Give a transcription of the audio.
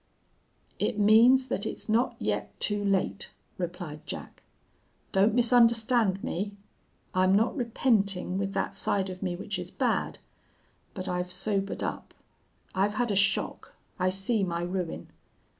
"It means that it's not yet too late,' replied Jack. 'Don't misunderstand me. I'm not repenting with that side of me which is bad. But I've sobered up. I've had a shock. I see my ruin.